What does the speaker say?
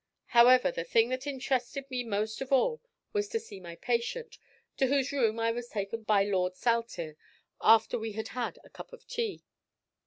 However, the thing that interested me most of all was to see my patient, to whose room I was taken by Lord Saltire after we had had a cup of tea.